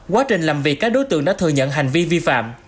quá trình làm việc các đối tượng đã thừa nhận hành vi vi phạm